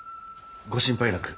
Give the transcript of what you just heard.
ご心配なく。